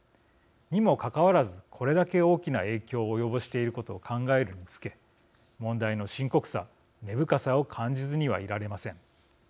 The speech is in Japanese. にもかかわらずこれだけ大きな影響を及ぼしていることを考えるにつけ問題の深刻さ、根深さを感じずにはいられません。